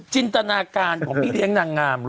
จนิตนาการผมไม่เลี้ยงนางงาม